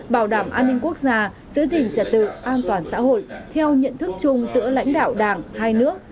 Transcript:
bảo đảm an ninh quốc gia giữ gìn trật tự an toàn xã hội theo nhận thức chung giữa lãnh đạo đảng hai nước